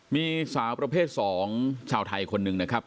มีสาวประเภท๒ชาวไทยคนหนึ่งนะครับ